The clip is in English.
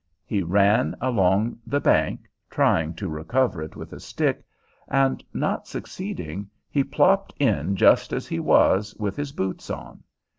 He ran along the bank, trying to recover it with a stick, and, not succeeding, he plopped in just as he was, with his boots on.